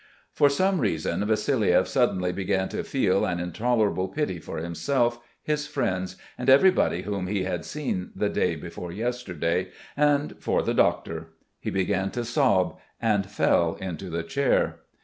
For some reason Vassiliev suddenly began to feel an intolerable pity for himself, his friends, and everybody whom he had seen the day before yesterday, and for the doctor. He began to sob and fell into the chair.